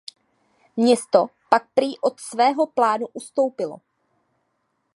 Město pak prý od svého plánu ustoupilo.